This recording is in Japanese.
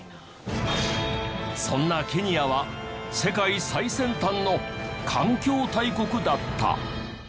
そんなケニアは世界最先端の環境大国だった。